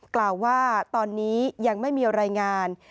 กล่าวว่าตอนนี้ยังไม่มีรายงาน